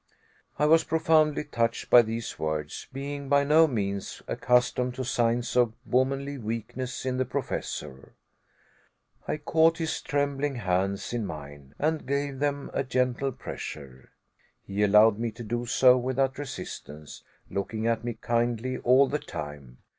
I was profoundly touched by these words, being by no means accustomed to signs of womanly weakness in the Professor. I caught his trembling hands in mine and gave them a gentle pressure. He allowed me to do so without resistance, looking at me kindly all the time.